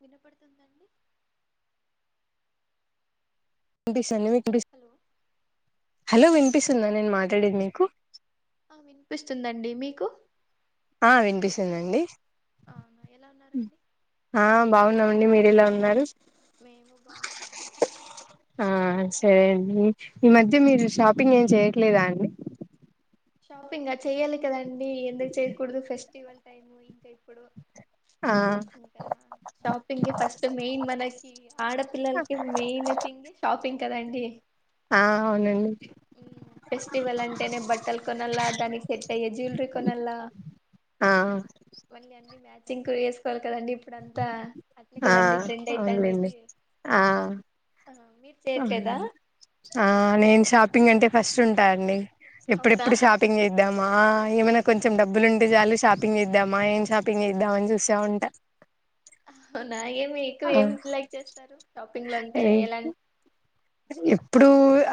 వినపడుతుందండి. వినిపిస్తుంది మీ బస్ హలో హలో వినిపిస్తుందా నేను మాట్లాడేది మీకు. ఆ వినిపిస్తుందండి మీకు. ఆ వినిపిస్తుందండి. అవునా ఎలా ఉన్నారండి. ఆ బాగున్నామండి మీరు ఎలా ఉన్నారు. మేము బాగున్నామండి. ఆ సరే అండి ఈ మధ్య మీరు షాపింగ్ ఏం చేయట్లేదా అండి. షాపింగా చేయాలి కదా అండి ఎందుకు చేయకూడదు ఫెస్టివల్ టైము ఇంకా ఇప్పుడు. ఆ ఇకా షాపిింగ్ ఫస్ట్ మెయిన్ మనకి ఆడపిిల్లలకి మెయిన్ థింగ్ షాపిింగ్ కదండి ఆ అవునండి కొన దానికి సెట్ అయ్య జ్యువలరీ కొన ఆ మళ అ మ చింకురు వేసుకోవాలి కదండడి ఇప్పుడుంతా ఆ అన్లిం ఆ ఆ మీరు చేయట్లేదా ఆ నేను షాపింగ్ అంటే ఫస్ట్ ఉంటా అండి అవునా ఎప్పుడెప్పుడు షాపింగ్ చేద్దాం ఏమైనా కొంచెం డబ్బులు ఉంటే చాలు షాపింగ్ చేద్దామా ఏం షాపింగ్ చేద్దామని చూస్తా ఉంటా అవున ఏం మీరు ఎక్కువ ఏమి లైక్ చేస్తారు షాపింగ్ లాంటే ఆ ఎలా ఇప్పుడు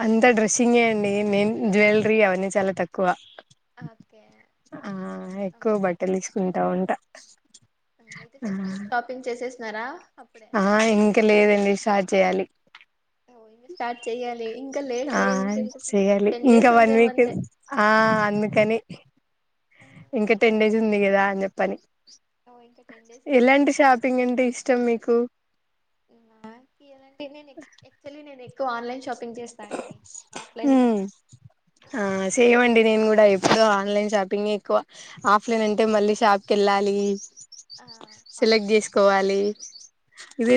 అంతా డ్రెస్సింగే అండి నేను జ్యువెలరీ అవన్నీ చాలా తక్కువ ఓకే ఆ ఉమ్, ఎక్కువ బట్టలు తీసుకుంటా ఉంట అయితే ఫెస్టివల్ షాపింగ్ చేసే సరా ఆ ఇంక లేదండి షా చేయాలి ఓ స్టార్ట్ చెయ్యాలి లేట్ ఆ ఏమి ఇంకా ఇంక ఫిఫ్టీ చెయ్యాలి టెన్ ఇంకా డేస్ వన్ ఉందేమో వీక్ అంతే ఆ అందుకని ఇంకా టెన్ డేస్ ఉంది కదా అని చెప్పని ఎలాంటి షాపింగ్ అంటే ఇష్టం మీకు [unintelligible] ఆన్లైన్ షాప్ హుమ్ ఆ చేయమండి నేను కూడా ఎప్పుడు ఆన్లైన్ షాపింగ్ ఎక్కువ ఆఫ్లైన్ అంటే మళ్ళీ షాప్ కెళ్ళాలి ఆ అవును సెలెక్ట్ చేసుకోవాలి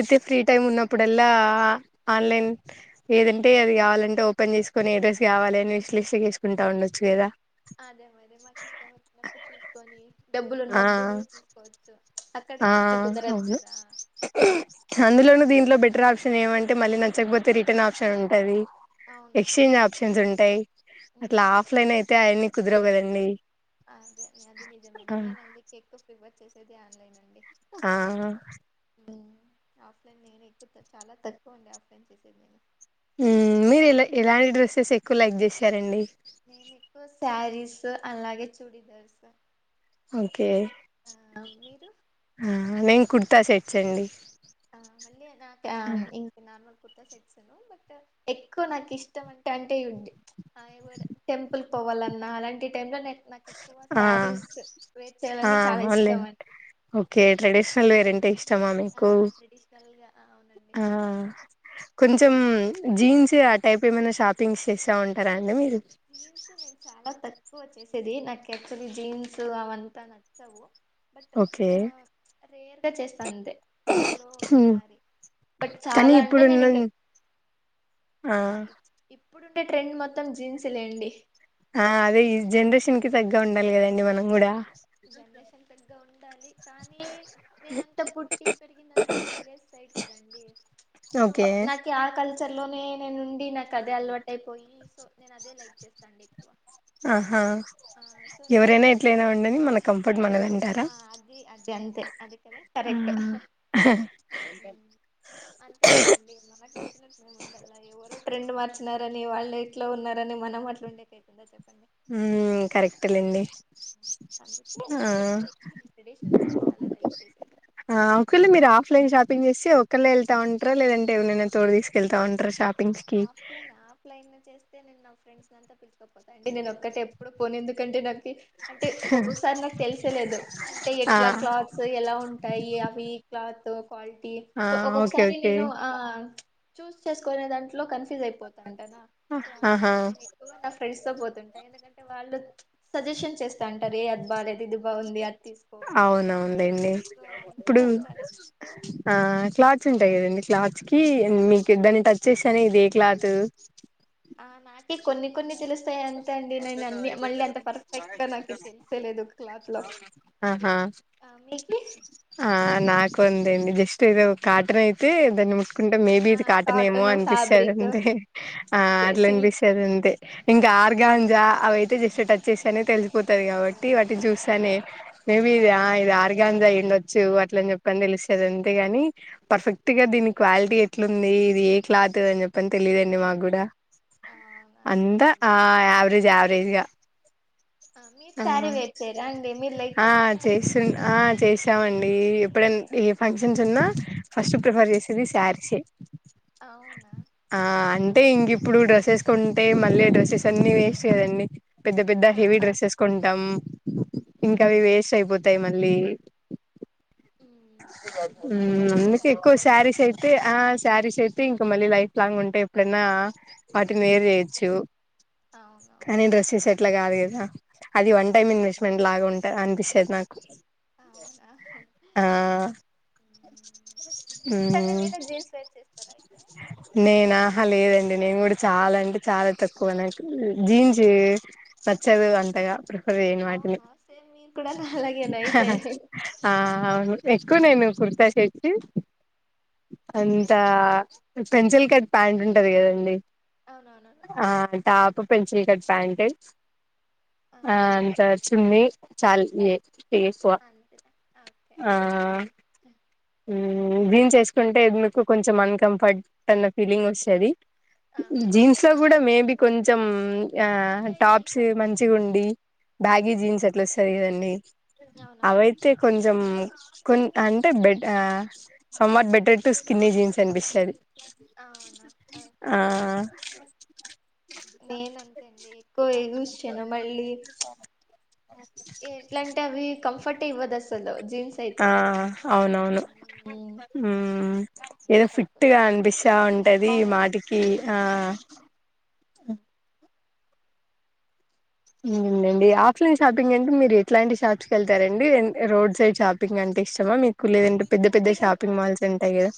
ఆ, ఫ్రీ టైమ్ ఉన్నప్పుడు లా ఆన్లైన్ ఏది అంటే అది కావాలంటే ఓపెన్ చేసుకోని ఏ డ్రస్ కావాలి అని విష్ లిస్టులో చేసుకుంటా ఉండచ్చు కదా [unintelligible] డబ్బులు ఆ ఉన్నప్పుడు తీసుకోవచ్చు ఆ అక్కడైతే అట్లా కుదరదు అవును కదా హ్మ్. అందులోను దీంట్లో బెటర్ ఆప్షన్ ఏమ అంటే మళ్ళీ నచ్చకపోతే రిటర్న్ ఆప్షన్ ఉంటది అవునవును. ఎక్స్చేంజ్ ఆప్షన్స్ ఉంటాయి అట్లా హ్మ్. ఆఫ్లైన్ అయితే ఆయన్ని కుదరావ్ కదండి అదే అది నిజమే ఆ నేను అందుకే ఎక్కువ ప్రిఫర్ చేసే ప్రతిది ఆన్లైన్ అండి ఆ ఆఫ్లైన్ నేను ఎక్కు చాలా తక్కువ అండి ఆఫ్లైన్ చేసేది ఊ మీరు ఎలా ఎలాంటి డ్రెస్సెస్ ఎక్కువ లైక్ చేశారండి నేను ఎక్కువ శారీస్ అలాగే చూడిదర్స్ ఓకే మీరు? నేను కుర్ తా సెట్స్ అండి ఆ మల్లి నా ఆ ఇ నార్మల్ కొత్త సెట్స్ ను బట్ ఎక్కువ నాకు ఇష్టం అంటే అంటే ఉంది టెంపుల్ పోవాలన్నా అలాంటి టైమ్లో నాకు ఎక్కువ ఆ శారీస్ వయిట్ ఆ చేయాలని చాలా ఇష్టం అండి నల్వేరెంటి కొంచమా మీకు అవునండి. ఆ హ్మ్. కొంచెం జీన్స్ తే ఆ టైప్ ఏమైనా షాపింగ్ చేస్తా ఉంటారా అండి మీరు జీన్స్ నేను చాలా తక్కువ వచ్చే చేది నాక్చులీ జీన్స్ అవంతా నచ్చవు ఓకే ఫ్రీ అంటే చెస అంతే ఎప్పుడో ఒకసారి బట్ కానీ చాలా అంటే నేను ఇప్పుడున్న ఇంక ఆ ఇప్పుడు ట్రెండ్ మొత్తం జీన్స్ తులేండి ఆ అదే ఈ జనరేషన్ కి తగ్గ ఉండాలి కదండి మనం గుడా జనరేషన్ తగ్గా ఉండాలి కానీ నేనంతా పుట్టి పెరిగిందంతా విలేజ్ సైడ్ కదండి సో ఓకే నాకు ఆ కల్ చర్లోనే నేనుండి నాకు అదే అలవాటైపోయి సో నేను అదే లైక్ చేస్తా అండి ఎక్కువ ఆహా ఆ సో నేను చాలా ఎవరైనా ఎట్లైనా తక్కువ ఉండని మన కంఫర్ట్ మనదంటారా? ఆ అది అది అంతే అది కదా ఆ కరెక్ట్ అంతే కదండి మనకు నచ్చినట్టు మనం ఉండాల ఎవరో ట్రెండ్ మార్చినారని వాళ్ళు ఎట్లో ఉన్నారని మనం అట్లా ఉండేక కైతదా చెప్పండి ఉ కరెక్టే లేండి అందుకే నాకు ఎక్కువ యాక్చువల్లీ నేను ట్రెడిషనల్ వేరే చాలా లైక్ చేసేది ఆ అంకుల్ మీరు ఆఫ్లైన్ షాపింగ్ చేసి అక్కళ వెళ్తా ఉంటారా లేదంటే ఎవరైనా తోడు తీసుకెళ్తా ఉంటార షాప్ ఆఫ్లైన్ ఆఫ్లైన్ చేస్త అయితే నేను నా ఫ్రెండ్స్ అంతా పిలిచుకపోతా అడి నేను ఒక్కతే ఎప్పుడు పోను ఎందుకంటే నాకు అంటే ఒక్కొక్కొక్కసారి నాకు తెలిసలేదు అంటే ఎట్లా ఆ క్లాత్స్ ఎలా ఉంటాయి. అవి క్లాత్ క్వాలిటీ ఆ ఓకే ఒక్కొక్కసారి ఓకే నేను ఆ చూస్ చేసుకునే దాంట్లో కన్ఫ్యూ్జ్ అయిపోత తంటాన సో ఆహా అందుకే నేను ఎక్కువ నా ఫ్రెండ్స్ తో పోతుంటా ఎందుకంటే వాళ్ళు సజెషన్ చేస్త సంట రే అద్ బాలేదు ఇది బాలేదు అవునా ఉందండి సో అందుకే ఇప్పుడు నేను చాలా ఆ క్లాత్ ఉంటాయి కదండి. క్లాత్ కి మీకు దాన్ని టచ్ చేస్తే అది ఏ క్లాత్ ఆ నాకే కొన్ని కొన్ని తెలుస్తాయి. అం నాకు తెలిసేలేదు క్లాత్ లో ఆహా ఆ, మీకి ఆ నాకు ఉందండి. ఇష్ట అయితే ఒక కాటన్ ఆయితే దాన్నీ ముట్ కుంటే మేబి ఆ ఇది కాటనేమో కాటన్ అనిపిస్తది. ఫ్యాబ్రిక్ అంతే ఆ అదే అట్లా సిల్క్ అనిపిస్తుది అంతే ఇంకా ఆర్గా అవయితే జస్ట్ టచ్ చేస్తానే తెలిసిపోతది. కాబట్టి వాటిని చూస్తానే మేబీ ఇది ఇది ఆర్గాన్ ది అయ్యిండాచ్చు. అట్ల అని చెప్పని తెలుస్సది. అంతేగాని పర్ఫెక్ట్ గా దీని క్వాలిటీ ఎట్లుంది ఇది ఏ క్లాత్ అని చెప్పని తెలియదండి మాకు కూడా అవునా అంద అదే ఆయా యావరేజ్గా ఆ, మీరు శారీ వేర్ చేయరా అండి మీరు లైక్ హా చేయరా శారీస్ చేస్తూ చేస్త మండి ఇగ ఎప్పుడన్న ఏ ఫంక్షన్స్ ఉన్నా ఫస్ట్ ప్రిఫర్ చేసేది శారీసే అవునా ఆ నైస్ అండి అంటే ఇంక ఇప్పుడు డ్రెస్సెస్ కుంటే మళ్ళీ డ్రేసెస్ అన్నీ సేదండి పెద్ద పెద్ద ఆ హెవీ డ్రెస్సెస్ ఏస్కొంటాం ఇంకా అవి అవునా వేస్ట్ అయిపోతాయి మన లేవీ హు అయితే మీరు అందుకే ఎక్కువ వేర్ శారీస్ చేస్తారు అయితే ఆ శ్యారీస్ అయితే ఇంకా మల్లి లైఫ్ లాంగ్ ఉంటే ఎప్పుడన్న వాటిని వేరు చేయోచ్చు అవునవును కానీ డ్రెసేస్ ఆట్లా కాదు గాదా హ్ ఆ అది వన్ టైమ్ అవును ఇన్వెస్ట్మెంట్ లాగా ఉంట అనిపిస్తది. తెలుసు నాకు అవునా ఆ మ్మ్. జీన్స్ అంటే హ్ మీరు జీన్స్ వేర్ చేస్తారా అయితే నేన ఆహ లేదండి నేను కూడా చాలా అంటే చాలా తక్కువ నాకు జీన్స్ నచ్చదు అంతగా వేయను వాటిని అవునా సేమ్ మీరు కూడా నా అలాగేనా అయితే ఆ అవును నెన్ నేర్చుకోలేను [unintelligible] ఉమ్ అంత పెన్సిల్ కట్ ప్యాంట్ ఉంటది కదండి. అవునవునవును ఆ టాపు పెన్సిల్ కట్ ప్యాంటె ఆ ఆన్సర్స్ చూని చాలే అంతద అవ్ ఆ ఉమ్ క్లీన్ చేసుకుంటే మీకు కొంచెం అన్కంఫర్ట్ అన్న ఫీలింగ్ వస్తాది. జీన్స్ అవునవును లో కూడా మేబి కొంచ్ ఉమ్ ఆ ఉంటాయి టాప్స్ కొన్ని మంచిగా ఉండి బ్యాగీ ఉమ్, జీన్స్ అట్లా ఆస్థాయి కదండి అవునవును అవయితే కొన్ ఉన్నాయ్ కొన్ అంటే బెట్ ఆ somewhat better than skinny jeans అనిపిస్తాది అవునా ఒకే నిన్ అంతే అండి ఎక్కువ యూస్ చేయను మళ్ళీ ఎట్లాంటే అవి కంఫర్ట్ ఇవ్వదు అసలు జీన్స్ ఆ అయితే అవునవును ఉమ్, ఉమ్ నేను ఏదో తక్కువ ఫిట్గా చాలా అనిపిస్తా ఉంటది అవును మాటికి ఆ ఉంటాయి ఉమ్ అండి ఆఫ్లైన్ షాపింగ్ అంటే మీరు ఎట్లాంటి షాప్స్ కి వెళ్తారండి రోడ్ సైడ్ షాపింగ్ అంటే ఇష్టమా మీక్ [unintelligible] పెద్ద పెద్ద షాపింగ్ మాల్స్ ఉంటాయి కదా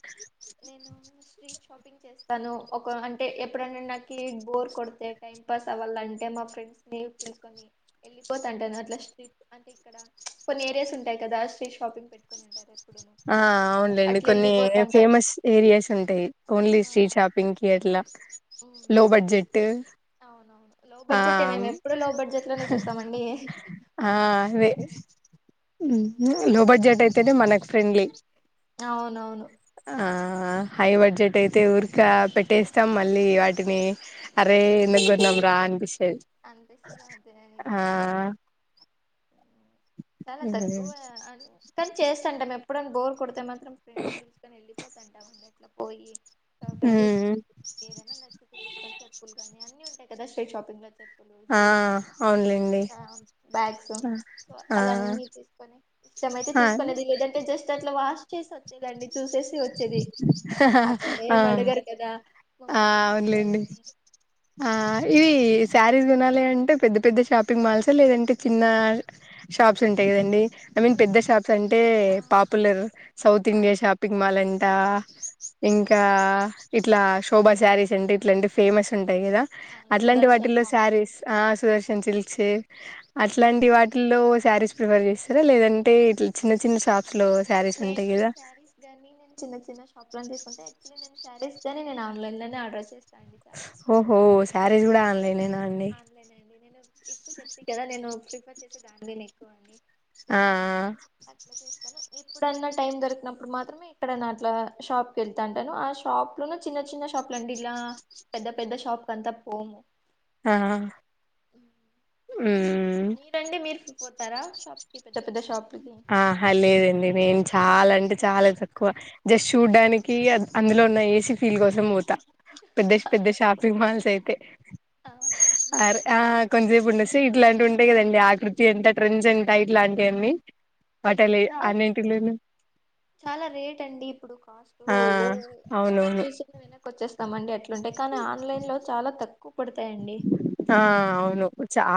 తను ఒక అంటే ఎప్పుడైన్నా నాకి బోర్ కొడితే టైం పాస్ అవ్వాలంటే మా ఫ్రెండ్స్ ని తీసుకొని వెళ్ళిపో అంటాను, అట్లా స్ట్రీట్ అంటే ఇక్కడ కొన్ని ఏరియాస్ ఉంటాయి కదా స్ట్రీట్ షాపింగ్ పెట్టుకుని అంటారు. ఆ అవునుండి కొన్ని ఫేమస్ ఏరియాస్ ఉంటాయి ఓన్లీ ఆ స్ట్రీట్ షాపింగ్ కి అట్లా. ఉమ్ లో బడ్జెట్ అవునవును లో బడ్జెటే అం మేము ఎప్పుడు లో బడ్జెట్ లోనే చూస్తామండి ఆ అవే ఉమ్, ఉహ్ ఉమ్ సో లో అట్లా బడ్జెట్ పిలుచుకొని అయితేనే మనకు ఫ్రెండ్లీ అవునవును ఆ ఆ హై బడ్జెట్ అయితే ఊరిక పెట్టేస్తాం మళ్ళీ వాటిని అరే ఎందుకు కొన్నాం రా అనిపిస్తది అనిపిస్తాది అదే ఆ నిజమండి. చాలా ఉమ్ తక్కువ అన్ కానీ చేస్తుంటాం ఎప్ ఎప్పుడన్న బోర్ కొడతే మ మాత్రం ఫ్రెండ్స్ని పిలుసుకోని వెళ్ళిపోతంటం అండి ఎట్లా పోయి షాపింగ్ చేసుకొని ఏదైనా నచ్చితే తీసుకొని చెప్పులుగాని అన్ని ఉంటాయ్. కదా స్ట్రీట్ షాపింగ్ దగ్గరా చెప్పులు, ఆ జులర్యేస్, అవునులేండి ఆ బ్యాగ్స్ ఆ సో ఆ అలాన్నీ తీసుకొని ఇస్టమైతే ఆ తీసుకునేది లేదంటే జస్ట్ అట్లా వాష్ చేసి వచ్చేదండి చూసేసి వచ్చేది అక్కడేం అడగరు కదా ఆ మమ్మల్ని అవునులేండి తీసుకోవాలని ఆ ఆ ఇవి సారీస్ కొనాలి అంటే పెద్ద పెద్ద షాపింగ్ మాల్స్ లేదంటే చిన్న షాప్స్ ఉంటాయి కదండి ఐ మీన్ నేను పెద్ద షాప్స్ అంటే ఆ పాపులర్ సౌత్ ఆ ఇండియా షాపింగ్ మాల్ అం ఇంకా ఇట్లా శోభా సారీస్ అంటే ఇట్లాంటి ఫేమస్ ఉం టయి కదా అవును అట్లాంటి వాటిల్లో సుదర్శను సారీస్ సుదర్శన్ సిల్స్ సే అ అట్లాంటి వాటిల్లో సారీస్ ప్రిఫర్ చేస్తారా లేదంటే ఇట్ల చిన్న చిన్న షాప్ నేను సారీస్ గానీ నేను చిన్న చిన్న షాప్ లను తీసుకుంటా యాక్చువలీ నేను సారీస్ నేన్ ఆన్లైన్లనే ఆర్డర్ చేస్ స్త అండి చాలా ఓహో శారీస్ కూడా ఆన్లైనేనా అండి ఆన్లైన్ అండి నేను ఎక్కో చెప్తి కదా నేను ప్రిఫర్ చేస్ వచ్చేేసి దానిద ఎక్కువ అని సో ఆ ఎప్పుడన్న టైం దొరికినప్పుడు మాత్రమే ఇక్కడ అట్ల షాప్కి వెళ్తా అంటాను ఆ షాప్ లోన చిన్న చిన్న షాప్లు అండి ఇలా పెద్ద పెద్ద షాప్ అంతా పోము. ఆ మ్మ్ మీరండి మీరు పోతారా షాప్కి పెద్ద పెద్ద షాప్ ఆహా లేదండి నేను చాలా అం చాలా తక్కువ జస్ట్ చూడ్డానికి అందులో ఉన్న ఏసీ ఫీల్ కోసం పోతా. పెద్ద పెద్ద షాపింగ్ మాల్స్ అయితే అవునా అరే ఆ కొంసేపు ఉండెసి ఇట్లాంటి ఉంట కదండి ఆకృతి ఎంత ట్రెండ్స్ అండ్ టైట్ లాంటివన్నీ అయ్యో చాలా చాలా రేట్ అండి ఇప్పుడు కాస్ట్ ఆ కాస్ట్ అవునవును చూసే వెనక్కి వచ్చేస్ మం అట్లుంటయి కానీ ఆన్లైన్ లో చాలా తక్కు ఆ అవును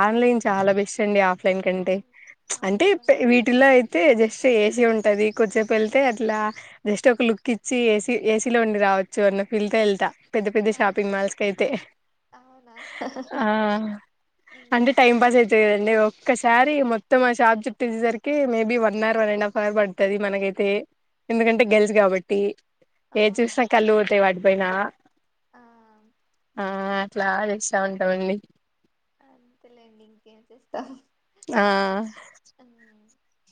ఆన్లైన్ చాలా బెస్ట్ అండి ఆ ఫ్లైన్ కంటే అవును ఆ అంటే నిజంగానే వీటిలో అయితే జస్ట్ ఏసీ ఉం అది కొద్దిసేప్ ఎళ్తే అట్లా జస్ట్ ఒక లుక్ ఇచ్చి ఏసీ ఏసీలో ఉండి రావచ్చు అన్న ఫీల్తో ఎళ్తా పెద్ద పెద్ద ఆ షాపింగ్ మాల్స్ క అయితే అవునా ఆ అంటే ఉమ్ టైం పాస్ అయితే కదండి ఓే ఒకసారిీ మొత్తం ఆ షాప్ చట్ట్ట వచ్చేసరికి maybe one hour one and half hour పడుతుది మనకైతే ఎందుకంటే గెల్స్ కాబట్టి ఏ అవునవును చూసినా కళ్లి తాయి వాడి అ పోైనా ఆ ఆ క్లా ఇస్తా ఉంటాం అండి అంతే లెండి ఇంకేం చేస్తాం ఆ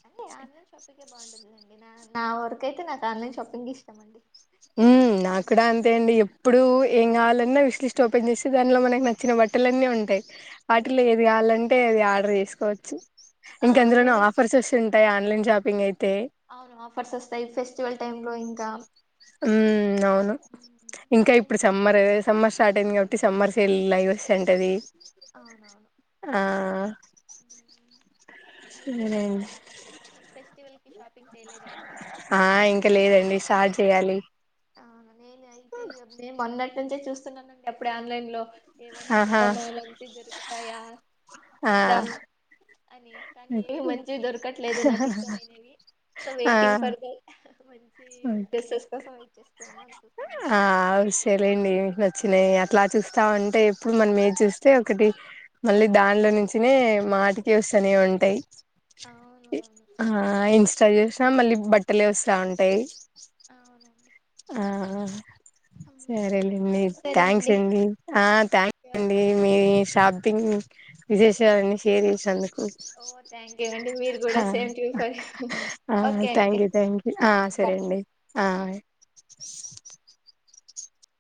అంటే ఆన్లైన్ షాపింగ్ే బాగుంటుందండి నా నా వరకు అయితే నాకు ఆన్లైన్ షాపింగ్ ఇష్టం అండి మ్మ్ నా కూడా అంతే అండి ఎప్పుడు ఏం కావాలన్నా విష్ లిస్ట్ ఓపెన్ చేసి దానిలో మనకు నచ్చిన బట్టలు అన్నీ ఉంటాయి నేను వాటిలో ఏది ఇప్పుడు కావాలంటే అది ఆర్డర్ చేసుకోవచ్చు చు ఆ ఇంకెందులోను నేను ఇప్ ఆఫర్స్ వస్తుంటాయి ఆన్లైన్ షాప్ పిన్నే అవును ఆఫర్స్ వస్తాయి ఫెస్టివల్ టైమ్ లో ఇంకా ఉ అవును ఉమ్ ఇంకా నేను ఇప్పుడు ఇప్ సమ్మర్ సమ్మర్ స్టార్ట్ అయింది కాబట్టి సమ్మర్ సేల్ లైవ్ వస్తంటది అవునవును ఊ అయితే ఇంకా సరేండి ఫెస్టివల్ కి షాపింగ్ చేయలేదన్నమాట ఆ ఇంక లేదండి సార్జ్ యాలి అవును నేను అయితే ఎవరీ మందన్ ప్రంచే చూస్తున్నానండి అప్పుడే ఆన్లైన్ లో ఏవైనా ఆహా చూద్దాం మంచి దొరుకు దయ ఆ చేద్దం అని కానీ ఏమి మంచివి దొరకట్లేదు నాకు ఇష్టమైనవి సో ఆ వెయిటింగ్ ఫర్దర్ మంచి ఓకే డ్రెస్సెస్ కోసం చేస్తూ ఉన్నాను చూస్తాను ఆ ఉస్సే లేండి వచ్చినాయి అట్లా చూస్తా వుంటే ఎప్పుడు మనమేది చూస్తే ఒకటి మళ్ళీ దానిలో నుంచినే మాటికి వస్ తనే ఉంటాయి అవును అవును ఆ ఇన్స్ చదివేసినా మళ్ళీ బట్టలే ఏవుస్ర ఉంటే అవునండి ఆ మ్మ్. సరేలేండి మరి సరే థ్యాంక్స్ అండి ఆ థ్యాంక్స్ ఓకే అండి ఓకే మీ షాపింగ్ విశేషాలన్నీ షేర్ చేసినందుక్ ఓ థ్యాంక్ యూ అండి మీరు హ కూడా same to you for you ఆ ఆ ఓకే అండి థ్యాంక్ యూ థ్యాంక్ యూ ఆ సరే బాయ్ అండి ఆ